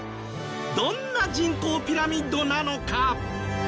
どんな人口ピラミッドなのか？